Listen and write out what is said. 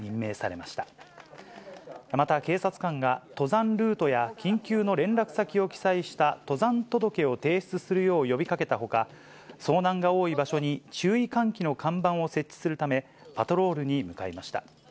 また、警察官が登山ルートや緊急の連絡先を記載した登山届を提出するよう呼びかけたほか、遭難が多い場所に注意喚起の看板を設置するため、パトロールに向かいました。